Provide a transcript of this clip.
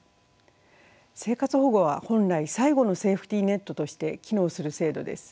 生活保護は本来最後のセーフティーネットとして機能する制度です。